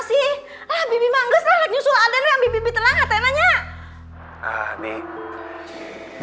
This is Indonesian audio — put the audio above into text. kamu memangges kamu menyusul adik kamu yang kamu lakukan yang benar